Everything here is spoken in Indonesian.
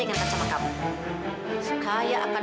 nggak perlu mama